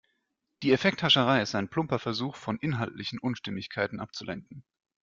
Die Effekthascherei ist ein plumper Versuch, von inhaltlichen Unstimmigkeiten abzulenken.